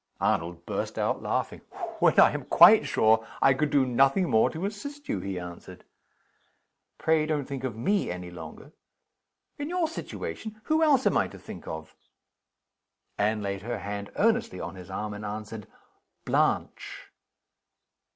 Arnold burst out laughing. "When I am quite sure I can do nothing more to assist you," he answered. "Pray don't think of me any longer." "In your situation! who else am I to think of?" Anne laid her hand earnestly on his arm, and answered: "Blanche!"